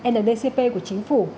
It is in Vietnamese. ndcp của chính phủ